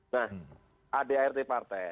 nah adart partai